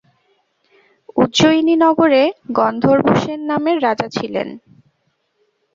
উজ্জয়িনী নগরে গন্ধর্বসেন নামে রাজা ছিলেন।